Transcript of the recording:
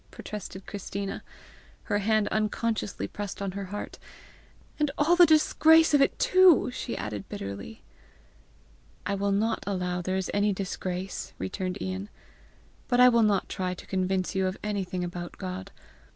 protested Christina, her hand unconsciously pressed on her heart; " and all the disgrace of it too!" she added bitterly. "I will not allow there is any disgrace," returned Ian. "But I will not try to con vince you of anything about God.